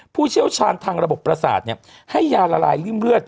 ผู้เชี่ยวชาญทางระบบประสาทให้ยาละลายริ่มเลือด